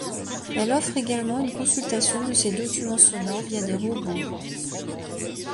Elle offre également une consultation de ses documents sonores via des robots.